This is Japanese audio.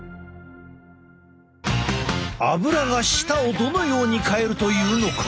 アブラが舌をどのように変えるというのか？